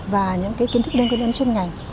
và những cái kiến thức đơn quyên ấn trên ngành